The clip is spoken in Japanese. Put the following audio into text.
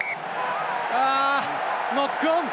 あ、ノックオン！